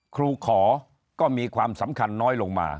ครูขอก็มีความสำคัญน้อยลงมา